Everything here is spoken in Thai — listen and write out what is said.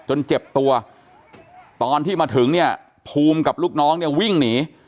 เจ็บตัวตอนที่มาถึงเนี่ยภูมิกับลูกน้องเนี่ยวิ่งหนี